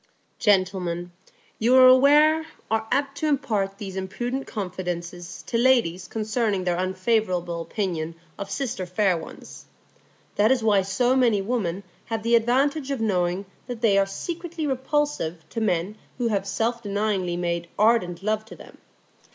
Gentlemen, you are aware, are apt to impart these imprudent confidences to ladies concerning their unfavourable opinion of sister fair ones. That is why so many women have the advantage of knowing that they are secretly repulsive to men who have self denyingly made ardent love to them.